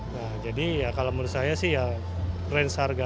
nah jadi ya kalau menurut saya sih ya range harga